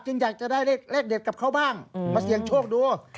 อยากจะได้เลขเด็ดกับเขาบ้างมาเสี่ยงโชคดู